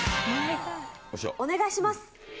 お願いします。